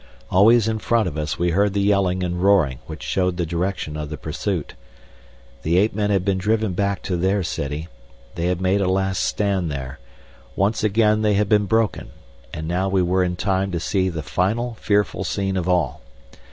Always in front of us we heard the yelling and roaring which showed the direction of the pursuit. The ape men had been driven back to their city, they had made a last stand there, once again they had been broken, and now we were in time to see the final fearful scene of all.